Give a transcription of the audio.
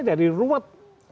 itu adalah ruwet